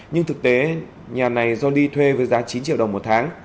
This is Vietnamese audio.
nhưng thực tế nhà này do ly thuê với giá chín triệu đồng một tháng